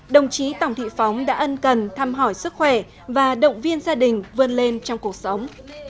đồng chí tổng thị phóng đã ân cần thăm hỏi sức khỏe và động viên gia đình vươn lên trong cuộc sống